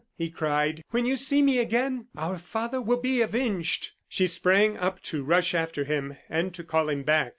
he cried; "when you see me again, our father will be avenged!" She sprang up to rush after him and to call him back.